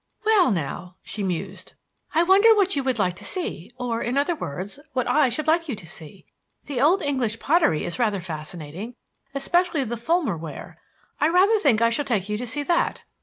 "Well, now," she mused, "I wonder what you would like to see; or, in other words, what I should like you to see. The old English pottery is rather fascinating, especially the Fulham ware. I rather think I shall take you to see that."